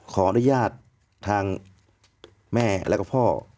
ขออนุญาตทางแม่แล้วก็พ่อ